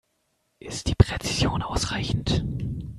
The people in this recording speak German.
Ist die Präzision ausreichend?